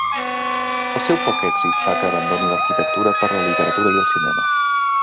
El seu poc èxit fa que abandoni l'arquitectura per la literatura i el cinema.